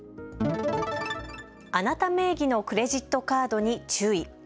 あなた名義のクレジットカードに注意。